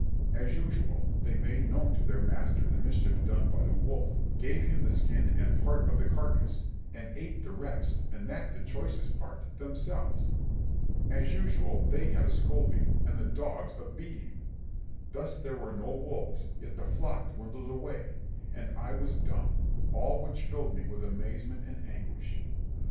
As usual, they made known to their master the mischief done by the wolf, gave him the skin and part of the carcase, and ate the rest, and that the choicest part, themselves. As usual, they had a scolding, and the dogs a beating. Thus there were no wolves, yet the flock dwindled away, and I was dumb, all which filled me with amazement and anguish.